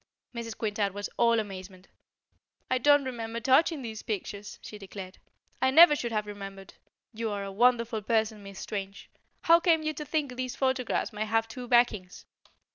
Mrs. Quintard was all amazement. "I don't remember touching these pictures," she declared. "I never should have remembered. You are a wonderful person, Miss Strange. How came you to think these photographs might have two backings?